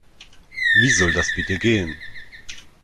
Wie soll das bitte gehen?